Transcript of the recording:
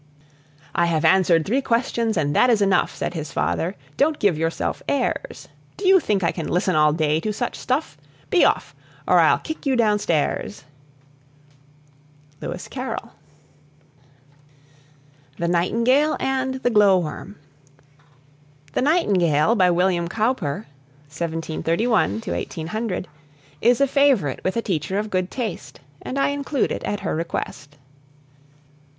"I have answered three questions, and that is enough," Said his father, "don't give yourself airs! Do you think I can listen all day to such stuff? Be off, or I'll kick you down stairs!" LEWIS CARROLL. ("Alice in Wonderland.") THE NIGHTINGALE AND THE GLOW WORM. "The Nightingale," by William Cowper (1731 1800), is a favourite with a teacher of good taste, and I include it at her request.